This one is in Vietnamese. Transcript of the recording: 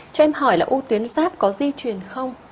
cho em hỏi là u tuyến giáp có di truyền không